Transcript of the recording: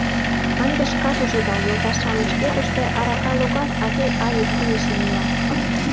— Ынде шкат ужыда, йолташ-шамыч кӧ тыште арака логар, а кӧ айык илышым ила.